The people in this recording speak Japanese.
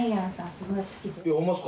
すごい好きです。